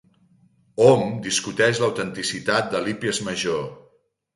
Hom discuteix l'autenticitat de l'Hípies Major.